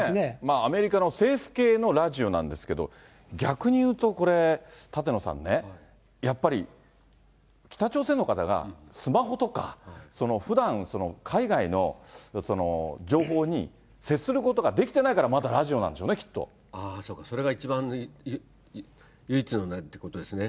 アメリカの政府系のラジオなんですけど、逆にいうとこれ、舘野さんね、やっぱり北朝鮮の方がスマホとか、ふだん海外の情報に接することができてないからまだラジオなんでそうか、それが一番、唯一のということですね。